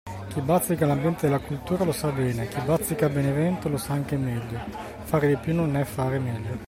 Chi bazzica l’ambiente della cultura lo sa bene, chi bazzica Benevento lo sa anche meglio: fare di più non è fare meglio.